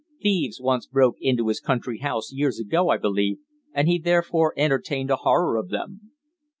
"Thieves once broke into his country house years ago, I believe, and he therefore entertained a horror of them."